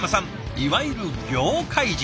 いわゆる業界人。